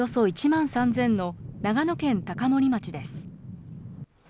およそ１万３０００の長野県高森町です。